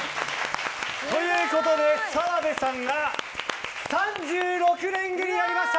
ということで澤部さんが３６レンゲになりました！